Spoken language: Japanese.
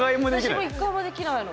私も１回もできないの。